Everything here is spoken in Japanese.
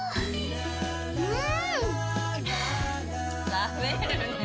食べるねぇ。